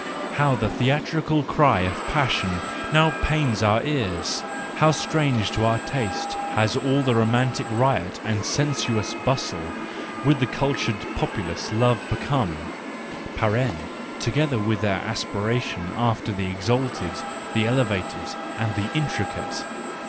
How the theatrical cry of passion now pains our ear, how strange to our taste has all the romantic riot and sensuous bustle which the cultured populace love become (together with their aspirations after the exalted, the elevated, and the intricate)!